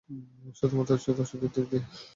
শুধু মাত্র চোদাচুদির দিক দিয়ে।